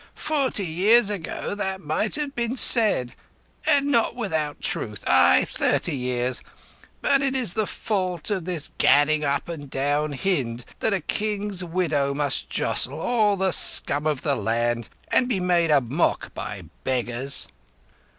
"Forty years ago that might have been said, and not without truth. Ay. thirty years ago. But it is the fault of this gadding up and down Hind that a king's widow must jostle all the scum of the land, and be made a mock by beggars."